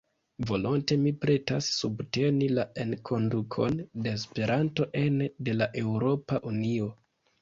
Volonte mi pretas subteni la enkondukon de Esperanto ene de la Eŭropa Unio.